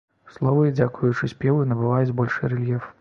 Словы, дзякуючы спеву, набываюць большы рэльеф.